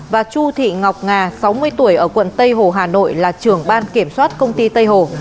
và chu thị ngọc nga sáu mươi tuổi ở quận tây hồ hà nội là trưởng ban kiểm soát công ty tây hồ